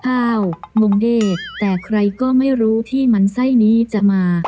อ้าวงงเดชแต่ใครก็ไม่รู้ที่มันไส้นี้จะมา